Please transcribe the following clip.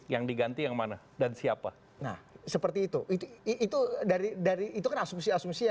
jadi tadi deklarasinya